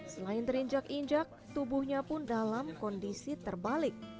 selain terinjak injak tubuhnya pun dalam kondisi terbalik